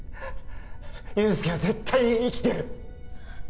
憂助は絶対に生きてる